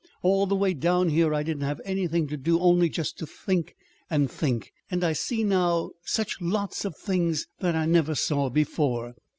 All the way down here I didn't have anything to do only just to think and think. And I see now such lots of things that I never saw before."